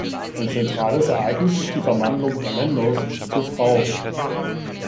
Ein zentrales Ereignis ist die Verwandlung Orlandos zur Frau.